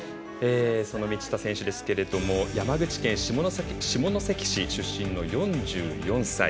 道下選手ですけど山口県下関市出身の４４歳。